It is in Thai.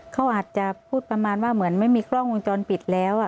เขาอาจจะพูดประมาณว่าเหมือนไม่มีกล้องวงจรปิดแล้ว